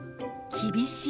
「厳しい」。